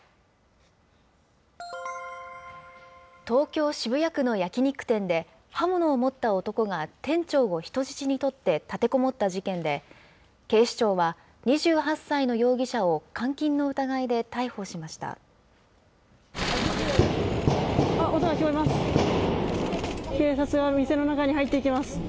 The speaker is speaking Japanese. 東京・渋谷区の焼き肉店で、刃物を持った男が店長を人質に取って立てこもった事件で、警視庁は、２８歳の容疑者を監禁の疑い音が聞こえます。